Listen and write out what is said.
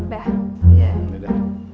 iya udah deh